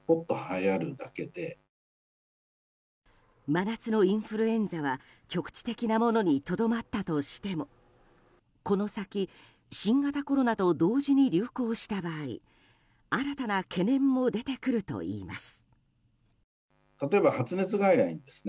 真夏のインフルエンザは局地的なものにとどまったとしてもこの先、新型コロナと同時に流行した場合新たな懸念も出てくるといいます。